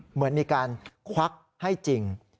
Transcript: เหมือนมีการควักให้จริง